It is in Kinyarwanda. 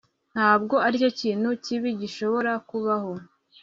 Ntabwo aricyo kintu kibi cyane gishobora kubaho